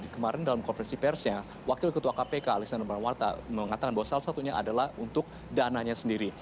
kemarin dalam konferensi persnya wakil ketua kpk alisana marwarta mengatakan bahwa salah satunya adalah untuk dananya sendiri